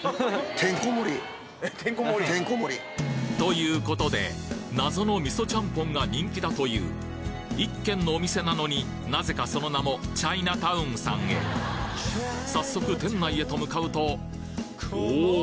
てんこ盛り。ということで謎のみそチャンポンが人気だという一軒のお店なのになぜかその名もチャイナタウンさんへ早速店内へと向かうとおぉ！